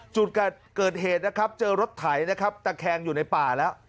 จุดเกิดเหตุนะครับเจอรถไถนะครับตะแคงอยู่ในป่าแล้ว